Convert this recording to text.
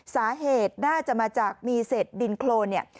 สาเหตุน่าจะมาจากมีเศษดินโครนเนี่ย